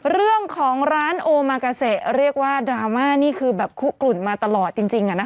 เรื่องของร้านโอมากาเซเรียกว่าดราม่านี่คือแบบคุกกลุ่นมาตลอดจริง